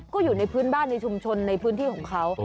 ก็อยู่ในพื้นบ้านในชุมชนในพื้นที่ของเขา